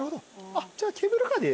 じゃあケーブルカーで。